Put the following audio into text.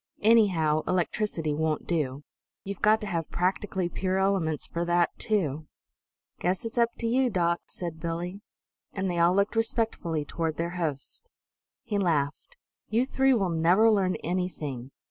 Anyhow, electricity won't do; you've got to have practically pure elements for that, too." "Guess it's up to you, doc," said Billie. And they all looked respectfully toward their host. He laughed. "You three will never learn anything.